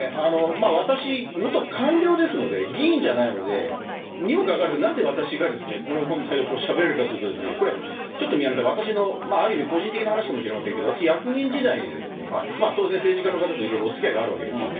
私、元官僚ですので、議員じゃないので、にもかかわらず、なぜ私がこの問題をしゃべるかというと、これ、ちょっと宮根さん、私のある意味、個人的な話かもしれませんけれども、私、役人時代に当然、政治家の方といろいろおつきあいがあるわけですよね。